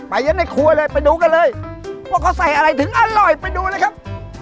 ยันในครัวเลยไปดูกันเลยว่าเขาใส่อะไรถึงอร่อยไปดูเลยครับ